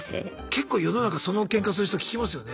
結構世の中そのけんかする人聞きますよね。